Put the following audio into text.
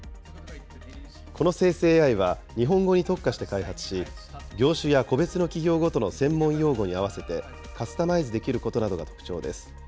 この生成ＡＩは日本語に特化して開発し、業種や個別の企業ごとの専門用語に合わせて、カスタマイズできることなどが特徴です。